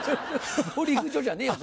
ボウリング場じゃねえよ